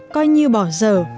coi như bỏ giờ